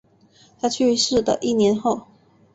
在去世的一年后